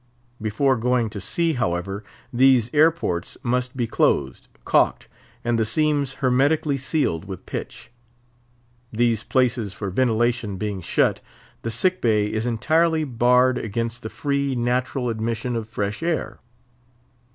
Before going to sea, however, these air ports must be closed, caulked, and the seams hermetically sealed with pitch. These places for ventilation being shut, the sick bay is entirely barred against the free, natural admission of fresh air.